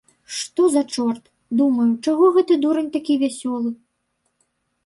Што за чорт, думаю, чаго гэты дурань такі вясёлы?